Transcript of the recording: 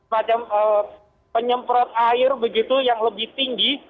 macam penyemprot air begitu yang lebih tinggi